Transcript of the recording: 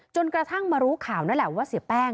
จนกระทั่งมารู้ข่าวนั่นแหละว่าเสียแป้ง